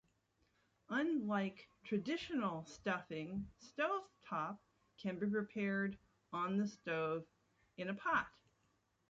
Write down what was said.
Unlike traditional stuffing, Stove Top can be prepared on the stove, in a pot.